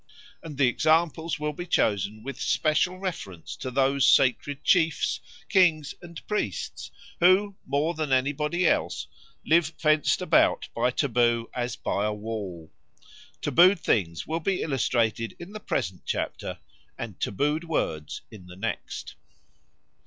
And the examples will be chosen with special reference to those sacred chiefs, kings and priests, who, more than anybody else, live fenced about by taboo as by a wall. Tabooed things will be illustrated in the present chapter, and tabooed words in the next.